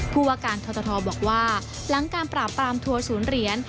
ผู้ว่าการททบอกว่าหลังการปราบปรามทัวร์ศูนย์เหรียญ